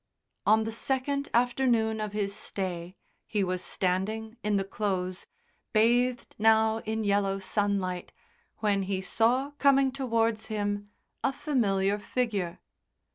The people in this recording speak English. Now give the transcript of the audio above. On the second afternoon of his stay he was standing in the Close, bathed now in yellow sunlight, when he saw coming towards him a familiar figure.